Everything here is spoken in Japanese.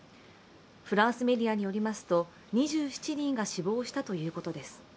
フランスメディアによりますと２７人が死亡したということです。